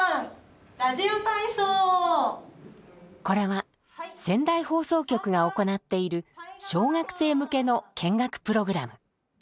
これは、仙台放送局が行っている小学生向けの見学プログラム。